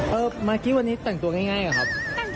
เอ่อมาร์คิววันนี้แต่งตัวง่ายหรือครับ